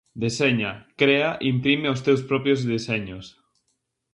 Deseña, crea, imprime os teus propios deseños.